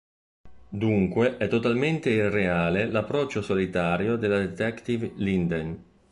Dunque è totalmente irreale l'approccio solitario della detective Linden.